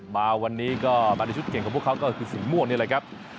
มาวันนี้ก็มาในชุดเก่งของพวกเขาก็คือสีม่วงนี่แหละครับ